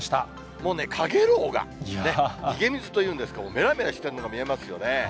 もうね、かげろうがね、にげみずというんですが、めらめらしてるのが見えますよね。